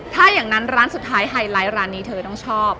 ถ้าอย่างนั้นร้านสุดท้ายไฮไลท์ร้านนี้เธอต้องชอบ